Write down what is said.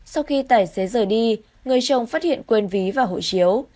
sau khi tài xế rời đi người chồng phát hiện quên ví và hộ chiếu